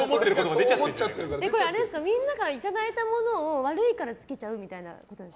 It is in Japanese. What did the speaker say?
これ、みんなからいただいたものを悪いからつけちゃうみたいなことですか？